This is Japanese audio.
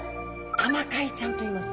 タマカイちゃんといいます。